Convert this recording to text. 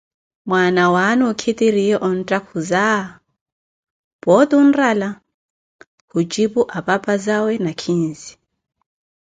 Mmana nwahi okhitire onttakhulisa, pooti onrala, khucipu apapazawe nakhinzi.